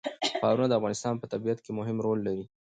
ښارونه د افغانستان په طبیعت کې مهم رول لري.